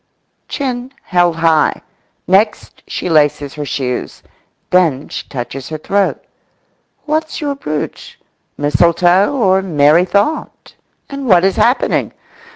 Chin held high. Next she laces her shoes. Then she touches her throat. What's your brooch? Mistletoe or merry thought? And what is happening?